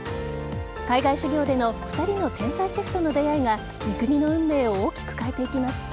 海外修業での２人の天才シェフとの出会いが三國の運命を大きく変えていきます。